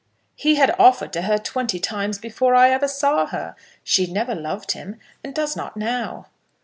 "He had offered to her twenty times before I ever saw her. She never loved him, and does not now."